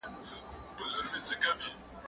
زه چپنه نه پاکوم!؟